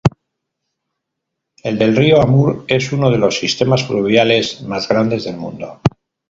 El del río Amur es uno de los sistemas fluviales más grandes del mundo.